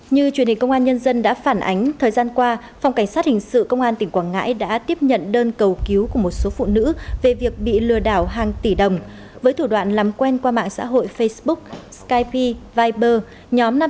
như truyền hình công an nhân dân đã phản ánh thời gian qua phòng cảnh sát hình sự công an tỉnh quảng ngãi đã tiếp nhận đơn cầu cứu của một đối tượng tên là a sáng bên trung quốc về việt nam